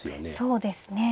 そうですね。